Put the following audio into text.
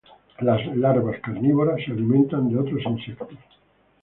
Las larvas carnívoras se alimentan de otros insectos.